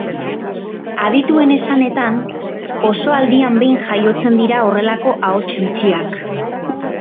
Adituen esanetan, oso aldian behin jaiotzen dira horrelako ahots bitxiak.